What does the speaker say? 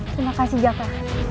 terima kasih jaka